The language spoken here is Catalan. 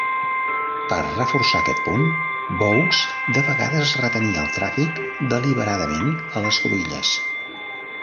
Per reforçar aquest punt, Boaks de vegades retenia el tràfic deliberadament a les cruïlles.